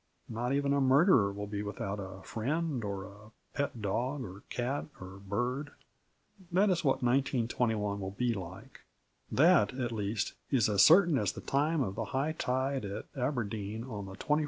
Not even a murderer will be without a friend or a pet dog or cat or bird. That is what 1921 will be like. That, at least, is as certain as the time of the high tide at Aberdeen on the 24th of January.